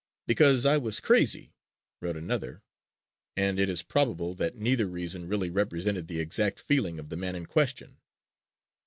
"Because I was crazy," wrote another and it is probable that neither reason really represented the exact feeling of the man in question.